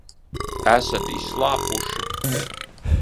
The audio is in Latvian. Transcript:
Esat izslāpuši?